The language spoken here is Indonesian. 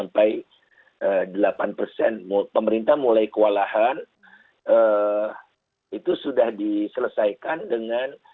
pemerintah mulai kewalahan itu sudah diselesaikan dengan